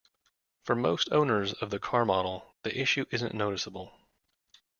For most owners of the car model, the issue isn't noticeable.